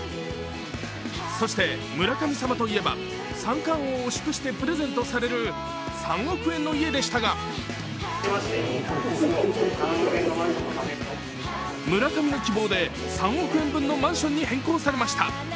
そして村神様といえば三冠王を祝して贈られる３億円の家でしたが村上の希望で３億円分のマンションに変更されました。